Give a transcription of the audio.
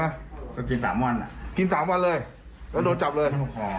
แล้วต้นตำไว้ก็จะเอามาได้เหรอมันก็จะหล่น